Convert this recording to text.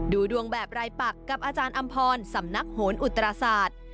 ดูดวงแบบรายปักกับอาจารย์อำพรสำนักโหนอุตราศาสตร์